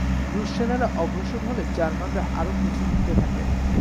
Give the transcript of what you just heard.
রুশ সেনারা অগ্রসর হলে জার্মানরা আরও পিছু হটতে থাকে।